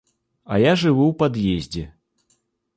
А я жыву ў пад'ездзе.